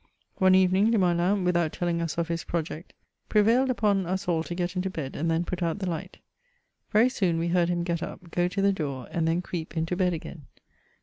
One evening, Limoelan, without telling us of his project, prevailed upon us all to gefr into bed, and then put out the light. Very soon we heard him get up, go to the door, and then creep into bed again.